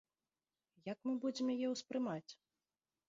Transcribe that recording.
Як мы будзем яе ўспрымаць?